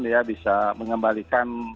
dia bisa mengembalikan